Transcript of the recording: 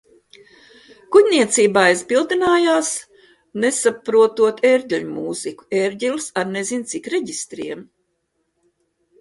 Kuģniecība aizbildinājās nesaprotot ērģeļmūziku. Ērģeles ar nezin cik reģistriem.